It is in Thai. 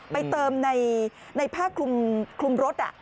ไปเติมในผ้าคลุมรถ